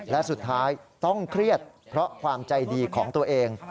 และสุดท้ายต้องเครียดเพราะความใจดีของตัวเอง